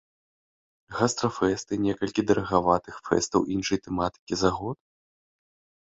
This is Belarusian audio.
Гастрафэсты і некалькі дарагаватых фэстаў іншай тэматыкі за год?